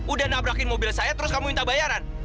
udah nabrakin mobil saya terus kamu minta bayaran